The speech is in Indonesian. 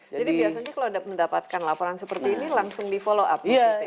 jadi biasanya kalau mendapatkan laporan seperti ini langsung di follow up